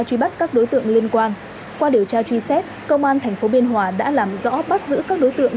truy bắt các đối tượng liên quan qua điều tra truy xét công an tp biên hòa đã làm rõ bắt giữ các đối tượng